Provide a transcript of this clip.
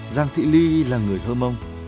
giang thị ly là người thơ mông